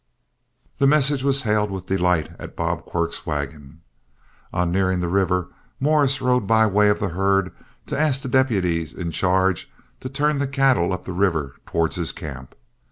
The message was hailed with delight at Bob Quirk's wagon. On nearing the river, Morris rode by way of the herd to ask the deputies in charge to turn the cattle up the river towards his camp.